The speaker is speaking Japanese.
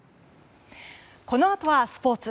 このあとはスポーツ。